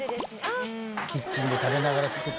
キッチンで食べながら作って。